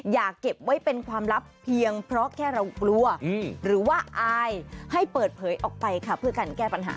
อย่าเก็บไว้เป็นความลับเพียงเพราะแค่เรากลัวหรือว่าอายให้เปิดเผยออกไปค่ะเพื่อการแก้ปัญหา